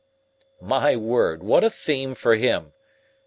My word, what a theme for him!